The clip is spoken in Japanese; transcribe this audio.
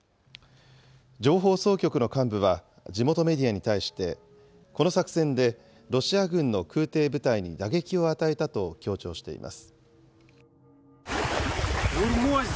情報総局の幹部は地元メディアに対して、この作戦でロシア軍の空てい部隊に打撃を与えたと強調しています。